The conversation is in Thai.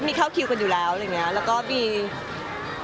ก็คือพี่ที่อยู่เชียงใหม่พี่ออธค่ะ